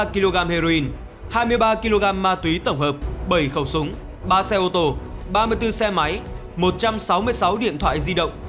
ba kg heroin hai mươi ba kg ma túy tổng hợp bảy khẩu súng ba xe ô tô ba mươi bốn xe máy một trăm sáu mươi sáu điện thoại di động